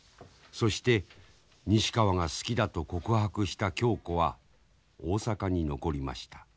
そして西川が好きだと告白した恭子は大阪に残りました。